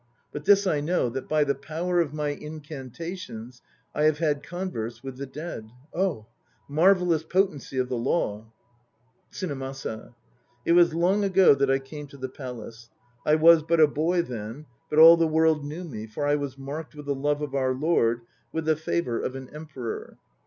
But this I know, that by the power of my incantations I have had converse with the dead. Oh ! marvellous potency of the Law ! TSUNEMASA. It was long ago that I came to the Palace. I was but a boy then, but all the world knew me; for I was marked with the love of our Lord, with the favour of an Emperor.